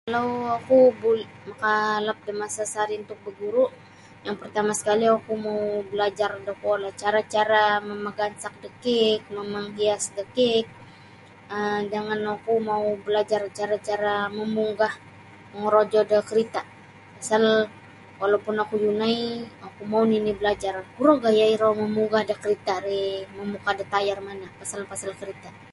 Kalau oku bul makalap da masa sehari untuk baguru yang pertama sekali oku mau balajar da kuolah cara-cara mamagansak da kek mamanghias da kek um jangan oku mau balajar cara-cara mamunggah mongorojo da kerita pasal walau pun oku yunai oku mau nini belajar kuro gaya iro mamunggah da kereta ri mamuka da tayar mana pasal-pasal kereta.